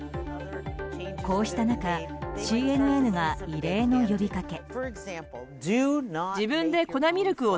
こうした中ＣＮＮが異例の呼びかけ。